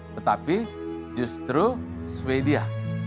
tetapi justru swedia